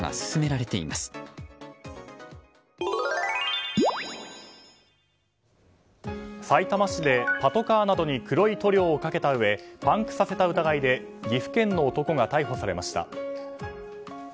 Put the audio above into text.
さいたま市でパトカーなどに黒い塗料をかけたうえパンクさせた疑いで岐阜県の男が逮捕されました。